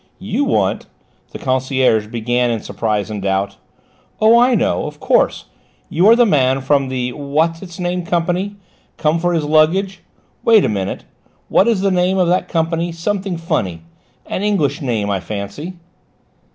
"You want " the concierge began in surprise and doubt. "Oh, I know; of course you are the man from the what's its name company, come for his luggage? Wait a bit; what is the name of that company? Something funny an English name, I fancy."